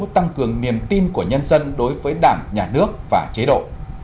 tăng cường niềm tin của nhân dân đối với đảng nhà nước và chế độ